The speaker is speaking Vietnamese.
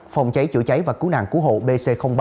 phòng cháy chữa cháy và cứu nạn cứu hộ bc ba